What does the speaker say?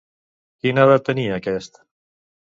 Quina edat tenia aquest?